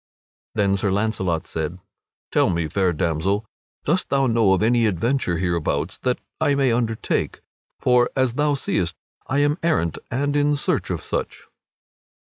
Then Sir Launcelot said: "Tell me, fair damsel, dost thou know of any adventure hereabouts that I may undertake? For, as thou seest, I am errant and in search of such."